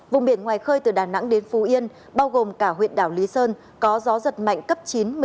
vùng biển ngoài khơi từ đà nẵng đến phú yên bao gồm cả huyện đảo lý sơn có gió giật mạnh cấp chín một mươi năm